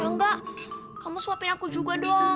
rangga kamu suapin aku juga dong